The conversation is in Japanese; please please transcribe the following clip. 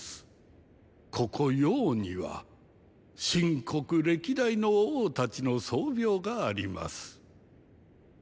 ここ雍には秦国歴代の王たちの「宗廟」があります。